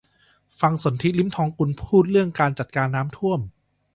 ฟังสนธิ ลิ้มทองกุล พูดเรื่องการจัดการน้ำท่วม